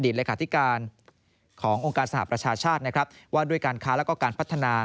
อดีตรายกาศิการขององค์การสหประชาชาติว่าด้วยการค้าและการพัฒนา